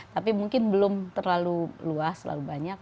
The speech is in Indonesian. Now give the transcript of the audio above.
tapi mungkin belum terlalu luas terlalu banyak